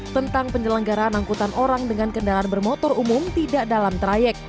tentang penyelenggaraan angkutan orang dengan kendaraan bermotor umum tidak dalam trayek